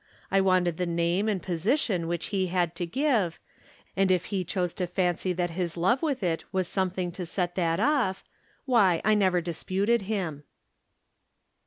I wanted the name and position which he had to give, and if he chose to fancy that his love with it was some thing to set that off, why, I never disputed him.